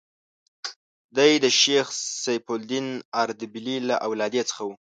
دی د شیخ صفي الدین اردبیلي له اولادې څخه و.